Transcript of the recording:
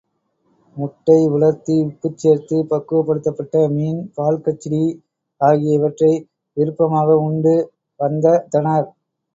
முட்டை, உலர்த்தி, உப்புச் சேர்த்துப் பக்குவப்படுத்தப்பட்ட மீன், பால் கச்டி ஆகிய இவற்றை விருப்பமாக உண்டு வந்ததனர்.